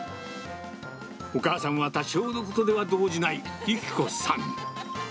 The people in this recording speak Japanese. お母さんは、多少のことでは動じない、由希子さん。